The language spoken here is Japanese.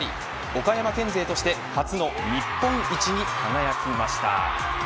岡山県勢として初の日本一に輝きました。